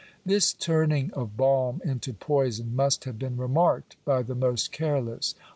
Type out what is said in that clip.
This turning of balm into poison must have been remarked by the most careless.